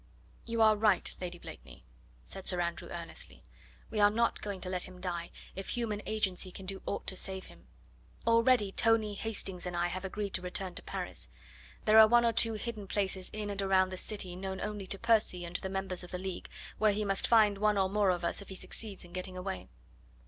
"You are right, Lady Blakeney," said Sir Andrew earnestly; "we are not going to let him die, if human agency can do aught to save him. Already Tony, Hastings and I have agreed to return to Paris. There are one or two hidden places in and around the city known only to Percy and to the members of the League where he must find one or more of us if he succeeds in getting away.